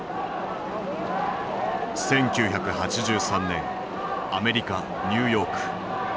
１９８３年アメリカ・ニューヨーク。